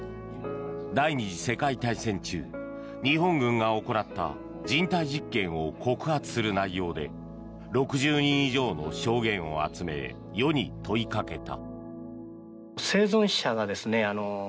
第２次世界大戦中日本軍が行った人体実験を告発する内容で６０人以上の証言を集め世に問いかけた。